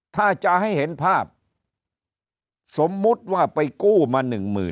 ถ้าจะให้เห็นภาพสมมติว่าไปกู้มา๑๐๐๐